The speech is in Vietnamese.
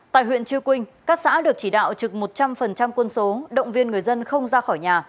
tại huyện chư quynh các xã được chỉ đạo trực một trăm linh quân số động viên người dân không ra khỏi nhà